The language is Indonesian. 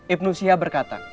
ibnu shia berkata